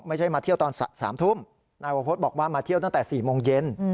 ไม่ใช่มาเที่ยวตอน๓ทุ่มนายวพฤษบอกว่ามาเที่ยวตั้งแต่๔โมงเย็น